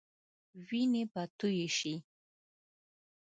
وينې به تويي شي.